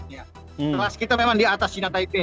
ya kelas kita memang di atas cina tip